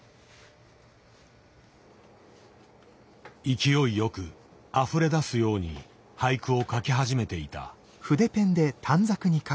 勢いよくあふれ出すように俳句を書き始めていた。